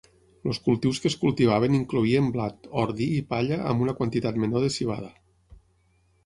Els cultius que es cultivaven incloïen blat, ordi i palla amb una quantitat menor de civada.